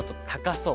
そう。